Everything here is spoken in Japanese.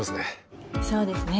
そうですね。